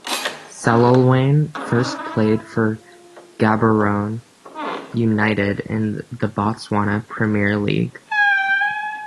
Selolwane first played for Gaborone United in the Botswana Premier League.